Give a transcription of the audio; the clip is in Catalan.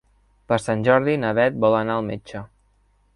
Per Sant Jordi na Beth vol anar al metge.